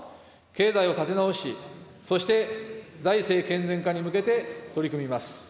経済を立て直し、そして財政健全化に向けて取り組みます。